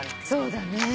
そうだね。